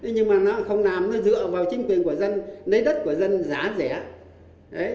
nhưng mà nó không làm nó dựa vào chính quyền của dân lấy đất của dân giá rẻ